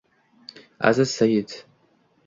Aziz Said